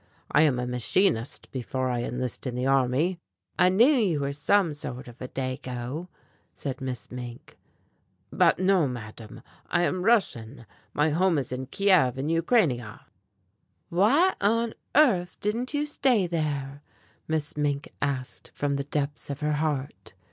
I am a machinist before I enlist in the army." "I knew you were some sort of a Dago," said Miss Mink. "But no, Madame, I am Russian. My home is in Kiev in Ukrania." "Why on earth didn't you stay there?" Miss Mink asked from the depths of her heart.